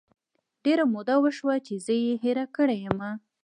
ډیره موده وشوه چې زه یې هیره کړی یمه